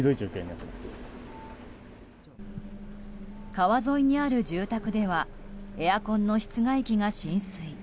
川沿いにある住宅ではエアコンの室外機が浸水。